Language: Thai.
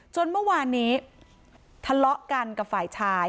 เมื่อวานนี้ทะเลาะกันกับฝ่ายชาย